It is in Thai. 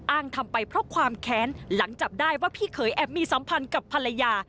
อ้างทำไปเพราะความแค้นหลังจับได้ว่าพี่เคยแอบมีสัมพันธ์กับภรรยา